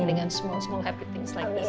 dengan semua semua happy things like this